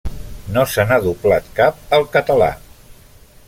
No se n'ha doblat cap al català.